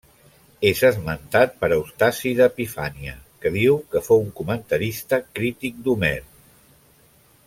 És esmentat per Eustaci d'Epifania, que diu que fou un comentarista crític d'Homer.